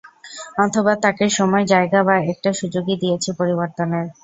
অথবা তাকে সময়, জায়গা বা একটা সুযোগই দিয়েছি পরিবর্তনের?